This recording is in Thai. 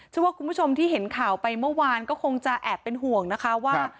ว่าคุณผู้ชมที่เห็นข่าวไปเมื่อวานก็คงจะแอบเป็นห่วงนะคะว่า